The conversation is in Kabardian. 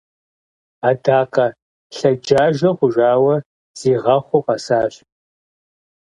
Адакъэ лъэджажэ хъужауэ, зигъэхъуу къэсащ!